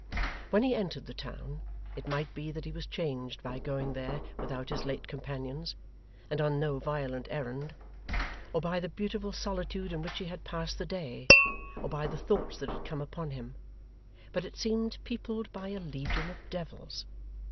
When he entered the town it might be that he was changed by going there without his late companions, and on no violent errand; or by the beautiful solitude in which he had passed the day, or by the thoughts that had come upon him, but it seemed peopled by a legion of devils.